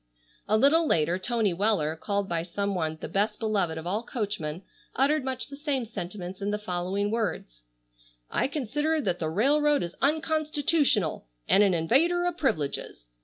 A little later Tony Weller, called by some one "the best beloved of all coachmen," uttered much the same sentiments in the following words: "I consider that the railroad is unconstitutional and an invader o' privileges.